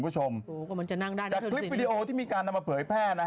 จากคลิปวีดีโอที่มีการเอามาเผยแพร่